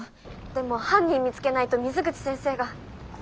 でも犯人見つけないと水口先生が。